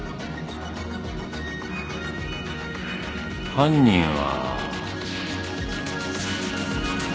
犯人は。